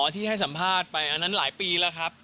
ที่ให้สัมภาษณ์ไปอันนั้นหลายปีแล้วครับ